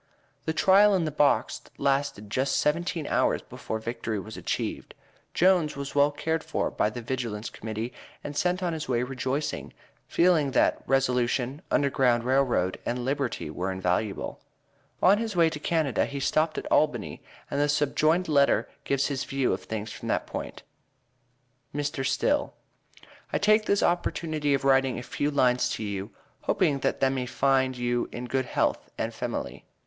The trial in the box lasted just seventeen hours before victory was achieved. Jones was well cared for by the Vigilance Committee and sent on his way rejoicing, feeling that Resolution, Underground Rail Road, and Liberty were invaluable. On his way to Canada, he stopped at Albany, and the subjoined letter gives his view of things from that stand point MR. STILL: I take this opportunity of writing a few lines to you hoping that tha may find you in good health and femaly.